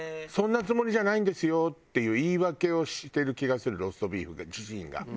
そんなつもりじゃないんですよっていう言い訳をしてる気がするローストビーフ自身が。